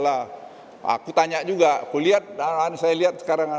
aku tanya juga aku lihat saya lihat sekarang